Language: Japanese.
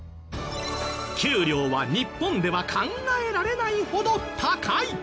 給料は日本では考えられないほど高い！